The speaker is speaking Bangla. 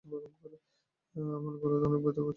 আমার গলা অনেক ব্যথা করছে আর কিছু খেতে গেলে গলায় কিছু বাধছে।